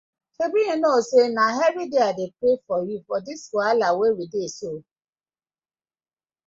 Shebi yu kno say everyday I dey pray for yu for this wahala wey we dey so.